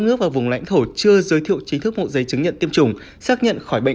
nước và vùng lãnh thổ chưa giới thiệu chính thức mẫu giấy chứng nhận tiêm chủng xác nhận khỏi bệnh